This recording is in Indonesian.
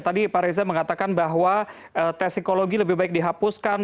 tadi pak reza mengatakan bahwa tes psikologi lebih baik dihapuskan